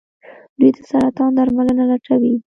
دوی د سرطان درملنه لټوي.